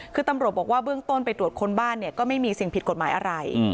คือตำรวจบอกว่าเบื้องต้นไปตรวจค้นบ้านเนี่ยก็ไม่มีสิ่งผิดกฎหมายอะไร